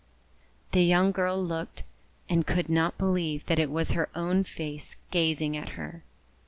The young girl looked, and could not believe that it was her own face gazing at her.